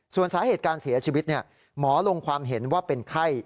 ส่วนสาเหตุการเสียชีวิตหมอลงความเห็นว่าเป็นไข้